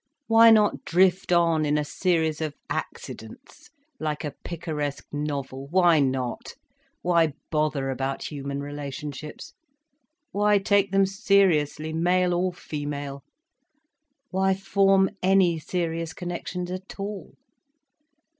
Why not drift on in a series of accidents—like a picaresque novel? Why not? Why bother about human relationships? Why take them seriously male or female? Why form any serious connections at all?